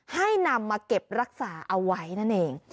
ให้นำมาเก็บรักษาเอาไว้นั่นเอง